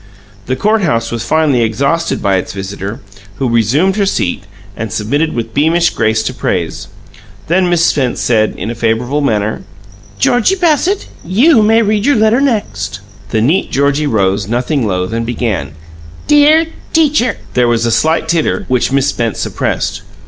The court house was finally exhausted by its visitor, who resumed her seat and submitted with beamish grace to praise. Then Miss Spence said, in a favourable manner: "Georgie Bassett, you may read your letter next." The neat Georgie rose, nothing loath, and began: "'Dear Teacher '" There was a slight titter, which Miss Spence suppressed.